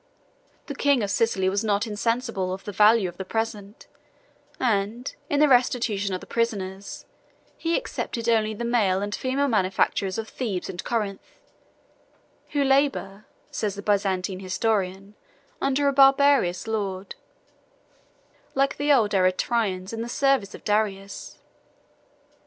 22 The king of Sicily was not insensible of the value of the present; and, in the restitution of the prisoners, he excepted only the male and female manufacturers of Thebes and Corinth, who labor, says the Byzantine historian, under a barbarous lord, like the old Eretrians in the service of Darius.